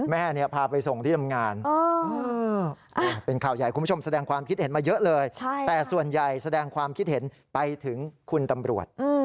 แม่พาไปส่งที่ทำงานเป็นข่าวใหญ่คุณผู้ชมแสดงความคิดเห็นมาเยอะเลยแต่ส่วนใหญ่แสดงความคิดเห็นไปถึงคุณตำรวจ